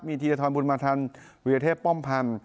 มีธีรธรรมบุญมาธรรมวิวเทพป้อมพันธ์